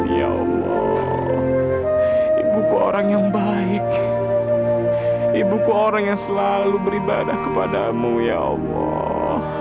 ya allah ibuku orang yang baik ibuku orang yang selalu beribadah kepadamu ya allah